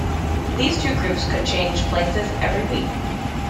These two groups would change places every week.